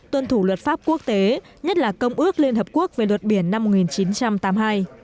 tuân thủ luật pháp quốc tế nhất là công ước liên hợp quốc về luật biển năm một nghìn chín trăm tám mươi hai